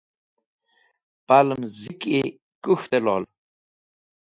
Palẽm ziki kũkhte lol.